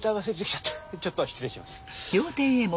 ちょっと失礼します。